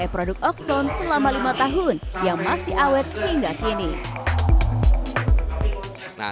produk okson selama lima tahun yang masih awet hingga kini